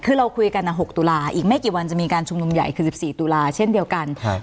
คือเราคุยกัน๖ตุลาอีกไม่กี่วันจะมีการชุมนุมใหญ่คือ๑๔ตุลาเช่นเดียวกัน